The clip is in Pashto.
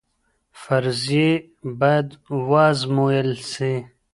فرضیې بايد وازمویل سي.